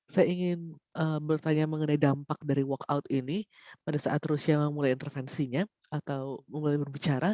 saya ingin bertanya mengenai dampak dari walkout ini pada saat rusia memulai intervensinya atau memulai berbicara